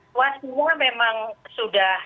semua memang sudah